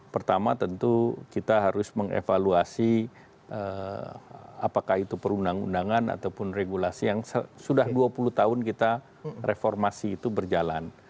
pertama tentu kita harus mengevaluasi apakah itu perundang undangan ataupun regulasi yang sudah dua puluh tahun kita reformasi itu berjalan